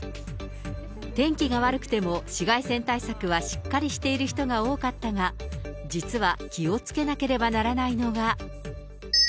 天気が悪くても紫外線対策はしっかりしている人が多かったが、実は気をつけなければならないのが。